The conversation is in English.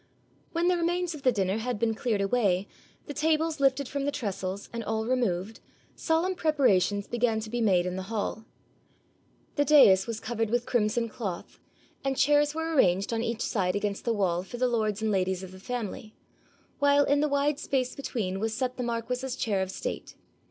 When the remains of the dinner had been cleared away, the tables lifted from the trestles, and all removed, solemn preparations began to be made in the hall. The dais was covered with crimson cloth, and chairs were arranged on each side against the wall for the lords and ladies of the family, while in the wide space between was set the marquis's chair of state.